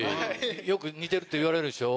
よく似てるって言われるでしょ？